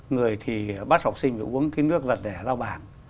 người thì bắt học sinh uống cái nước vật vẻ lao bảng